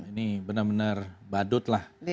ini benar benar badut lah